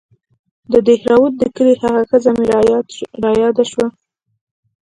د دهروات د کلي هغه ښځه مې راياده سوه.